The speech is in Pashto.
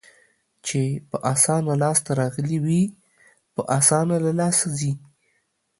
چې په اسانه لاس ته راغلي وي، په اسانه له لاسه ځي.